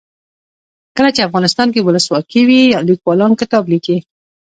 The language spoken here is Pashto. کله چې افغانستان کې ولسواکي وي لیکوالان کتاب لیکي.